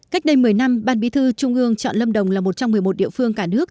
cách đây một mươi năm ban bí thư trung ương chọn lâm đồng là một trong một mươi một địa phương cả nước